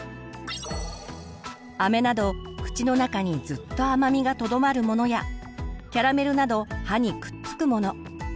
あめなど口の中にずっと甘みがとどまるものやキャラメルなど歯にくっつくもの。